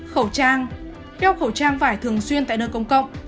khẩu trang đeo khẩu trang vải thường xuyên tại nơi công cộng